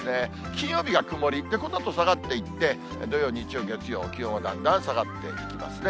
金曜日が曇り、このあと下がっていって、土曜、日曜、月曜、気温もだんだん下がっていきますね。